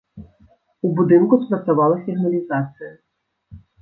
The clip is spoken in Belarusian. У будынку спрацавала сігналізацыя.